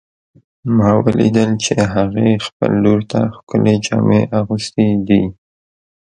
ما ولیدل چې هغې خپل لور ته ښکلې جامې اغوستې دي